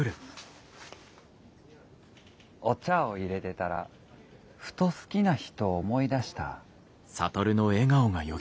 お茶をいれてたらふと好きな人を思い出した。